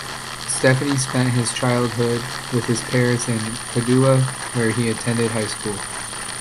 Steffani spent his childhood with his parents in Padua, where he attended high school.